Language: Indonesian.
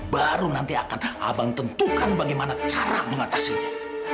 baru nanti akan abang tentukan bagaimana cara mengatasinya